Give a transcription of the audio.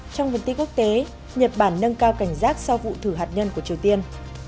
trong vận tích quốc tế nhật bản nâng cao cảnh giác sau vụ thử hạt nhân của triều tiên